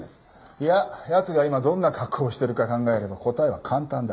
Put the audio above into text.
いや奴が今どんな格好をしてるか考えれば答えは簡単だ。